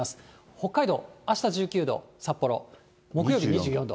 北海道、あした１９度、札幌、木曜日２４度。